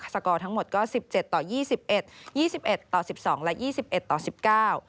กอร์ทั้งหมดก็สิบเจ็ดต่อยี่สิบเอ็ดยี่สิบเอ็ดต่อสิบสองและยี่สิบเอ็ดต่อสิบเก้า